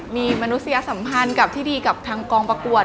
มีมนุษยสัมพันธ์กับที่ดีกับทางกองประกวด